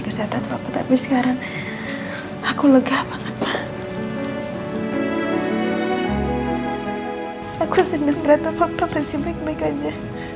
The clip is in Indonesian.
kesehatan papa tapi sekarang aku lega banget aku senang rata rata kasih baik baik aja